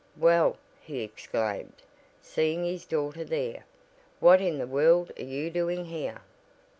"Well," he exclaimed, seeing his daughter there, "what in the world are you doing here?"